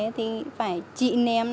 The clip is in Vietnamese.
thì phải chị ném